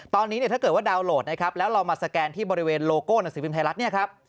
ตอนนี้เนี่ยถ้าเกิดว่าดาวน์โหลดนะครับแล้วเรามาสแกนที่บริเวณโลโก้หนังสือพิมพ์ไทยรัฐเนี่ยครับ